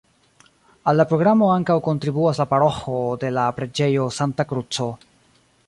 Al la programo ankaŭ kontribuas la paroĥo de la preĝejo Sankta Kruco.